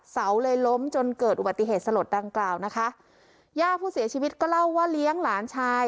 เสาเลยล้มจนเกิดอุบัติเหตุสลดดังกล่าวนะคะย่าผู้เสียชีวิตก็เล่าว่าเลี้ยงหลานชาย